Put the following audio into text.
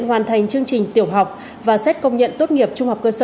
hoàn thành chương trình tiểu học và xét công nhận tốt nghiệp trung học cơ sở